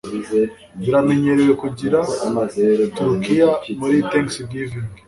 Biramenyerewe kugira turukiya muri Thanksgiving.